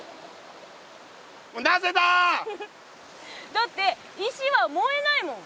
だって石は燃えないもん。